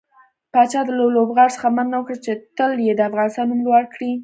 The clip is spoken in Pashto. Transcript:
پاچا له لوبغاړو څخه مننه وکړه چې تل يې د افغانستان نوم لوړ کړى.